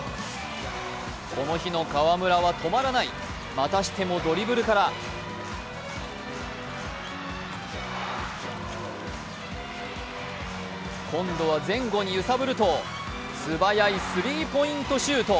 この日の河村は止まらないまたしてもドリブルから今度は前後に揺さぶると、素早いスリーポイントシュート。